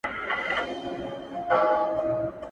له چڼچڼو، توتکیو تر بازانو -